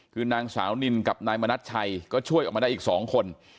คือนางสาวนินกับนายมณัชชัยก็ช่วยออกมาได้อีก๒คน